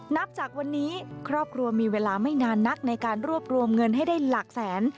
นับจากวันนี้ครอบครัวมีเวลาไม่นานนักในการรวบรวมเงินให้ได้หลักแสน